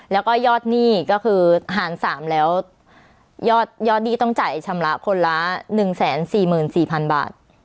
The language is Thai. แล้วก็ยอดหนี้ก็คือหารสามแล้วยอดยอดดีต้องจ่ายชำระคนละหนึ่งแสนสี่หมื่นสี่พันบาท